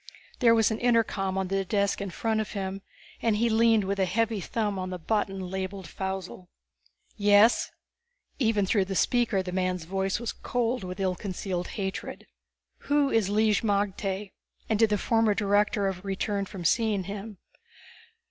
There was an intercom on the desk in front of him and he leaned with a heavy thumb on the button labeled Faussel. "Yes?" Even through the speaker the man's voice was cold with ill concealed hatred. "Who is Lig magte? And did the former director ever return from seeing him?"